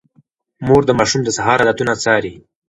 مور د ماشوم د سهار عادتونه څاري.